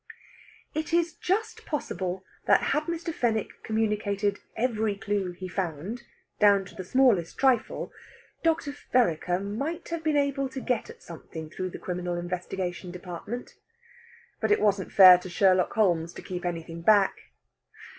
It is just possible that had Mr. Fenwick communicated every clue he found, down to the smallest trifle, Dr. Vereker might have been able to get at something through the Criminal Investigation Department. But it wasn't fair to Sherlock Holmes to keep anything back.